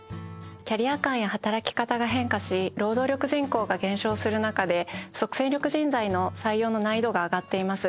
キャリア観や働き方が変化し労働力人口が減少する中で即戦力人材の採用の難易度が上がっています。